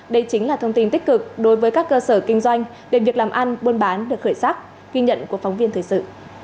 đây chính là thông tin tích cực đối với các cơ sở kinh doanh để việc làm ăn buôn bán được khởi sắc ghi nhận của phóng viên thời sự